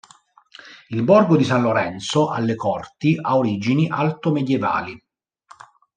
Il borgo di San Lorenzo alle Corti ha origini alto-medievali.